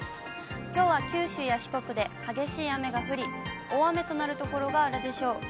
きょうは九州や四国で激しい雨が降り、大雨となる所があるでしょう。